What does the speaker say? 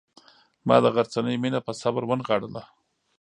ما د غرڅنۍ مینه په صبر ونغاړله.